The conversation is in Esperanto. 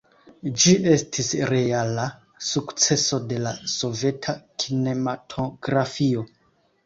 Ĝi estis reala sukceso de la soveta kinematografio.